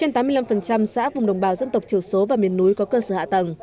trên tám mươi năm xã vùng đồng bào dân tộc thiểu số và miền núi có cơ sở hạ tầng